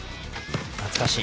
懐かしい。